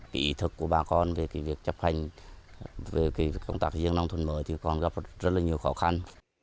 kỹ thức của bà con về việc chấp hành công tác xây dựng nông thôn mới còn gặp rất nhiều khó khăn